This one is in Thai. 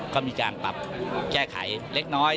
ก็มีการปรับแก้ไขเล็กน้อย